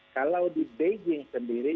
kalau di beijing sendiri